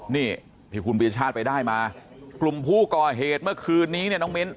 นี่ที่คุณปียชาติไปได้มากลุ่มผู้ก่อเหตุเมื่อคืนนี้เนี่ยน้องมิ้น